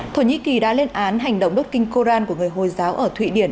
thổ nhĩ kỳ đã lên án hành động đốt kinh koran của người hồi giáo ở thụy điển